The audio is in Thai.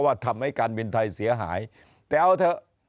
ทำให้การบินไทยเสียหายแต่เอาเถอะ